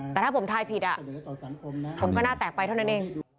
แต่ถ้าผมทายผิดผมก็น่าแตกไปเท่านั้นเอง